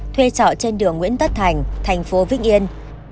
thuê trọ trên đường nguyễn tất thành thành phố vĩnh yên